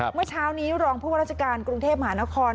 เมื่อเช้านี้รองผู้ว่าราชการกรุงเทพมหานคร